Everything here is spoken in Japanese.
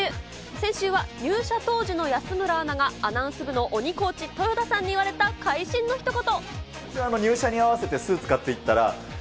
先週は、入社当時の安村アナが、アナウンス部の鬼コーチ、豊田さんに言われた会心のひと言。